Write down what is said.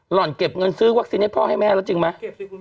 ห่อนเก็บเงินซื้อวัคซีนให้พ่อให้แม่แล้วจริงไหม